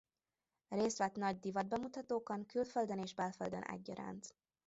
Részt vett nagy divatbemutatókon külföldön és belföldön egyaránt.